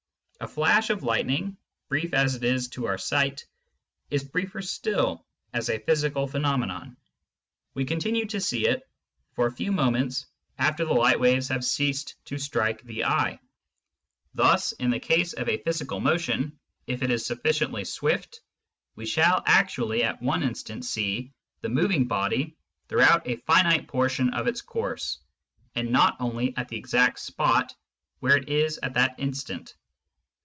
A flash of lightning, brief as it is to our sight, is briefer still as a physical phenomenon : we continue to see it for a few moments after the light waves have ceased to strike the eye. Thus in the case of a physical motion, if it is sufficiently swift, we shall actually at one instant see the moving body throughout a finite portion of its course, and not only at the exact spot where it is at that instant.